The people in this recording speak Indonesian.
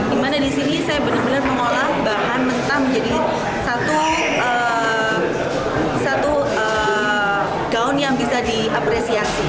dimana di sini saya benar benar mengolah bahan mentah menjadi satu gaun yang bisa diapresiasi